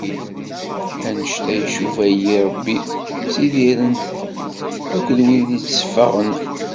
Annect-a icuba-iyi Rebbi ttidiren-t akk wid yetteffaɣen.